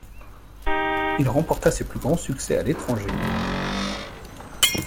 Il remporta ses plus grands succès à l'étranger.